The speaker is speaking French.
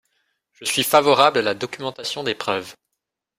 Je suis favorable à la documentation des preuves.